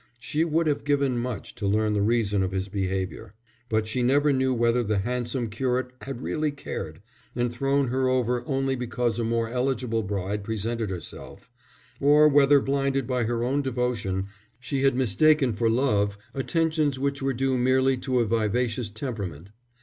She would have given much to learn the reason of his behaviour. But she never knew whether the handsome curate had really cared, and thrown her over only because a more eligible bride presented herself; or whether, blinded by her own devotion, she had mistaken for love attentions which were due merely to a vivacious temperament.